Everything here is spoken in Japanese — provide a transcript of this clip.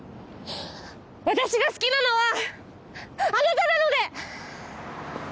私が好きなのはあなたなので！